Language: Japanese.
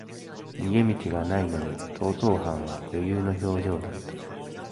逃げ道がないのに逃走犯は余裕の表情だった